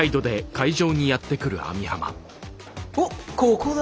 おっここだ！